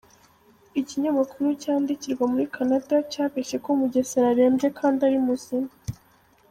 Ikinyamakuru cyandikirwa muri Canada cyabeshye ko Mugesera arembye kandi ari muzima.